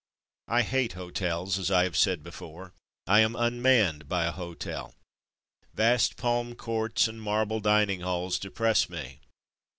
I hate hotels as I have said before; I am unmanned by a hotel. Vast palm courts and marble dining halls depress me.